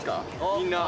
みんな。